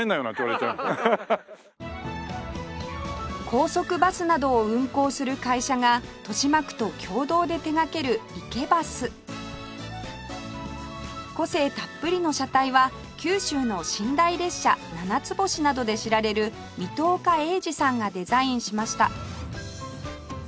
高速バスなどを運行する会社が豊島区と共同で手掛けるイケバス個性たっぷりの車体は九州の寝台列車ななつ星などで知られる水戸岡鋭治さんがデザインしました